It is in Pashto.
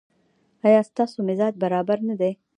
ایا ستاسو مزاج برابر نه دی؟